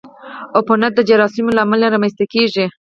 عفونت د جراثیمو له امله رامنځته کېږي.